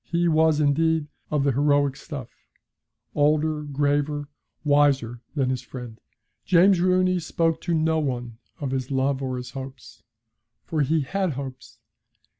He was, indeed, of the heroic stuff, older, graver, wiser than his friend. James Rooney spoke to no one of his love or his hopes. For he had hopes.